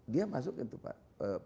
dia masuk itu pak